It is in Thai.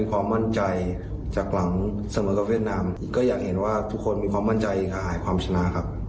ความมั่นใจจากหลังเสมอกับเวียดนามก็อยากเห็นว่าทุกคนมีความมั่นใจหายความชนะครับ